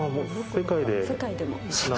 世界で！？